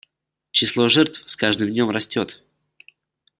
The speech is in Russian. Число жертв с каждым днем растет.